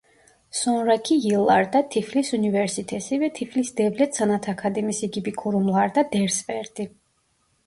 Sonraki yıllarda Tiflis Üniversitesi ve Tiflis Devlet Sanat Akademisi gibi kurumlarda ders verdi.